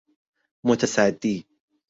متصدی